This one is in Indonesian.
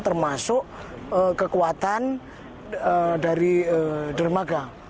termasuk kekuatan dari dermaga